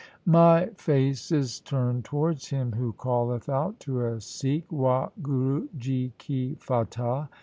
' My face is turned towards him who calleth out to a Sikh " Wahguru ji ki Fatah